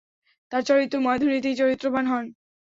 তার চরিত্র মাধুরীতেই চরিত্রবান হন।